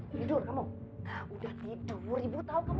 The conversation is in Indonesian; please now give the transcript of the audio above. kita mau mungsi kemana bu